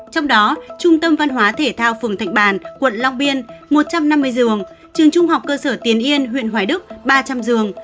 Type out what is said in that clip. trong đó trung tâm văn hóa thể thao phường thạch bàn quận long biên một trăm năm mươi giường trường trung học cơ sở tiến yên huyện hoài đức ba trăm linh giường